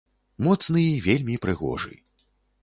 Моцны і вельмі прыгожы.